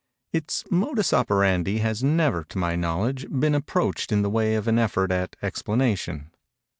Its modus operandi has never, to my knowledge, been approached in the way of an effort at explanation.